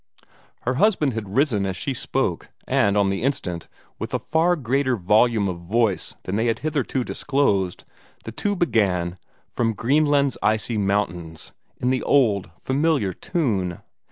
Her husband had risen as she spoke, and on the instant, with a far greater volume of voice than they had hitherto disclosed, the two began "From Greenland's Icy Mountains," in the old, familiar tune.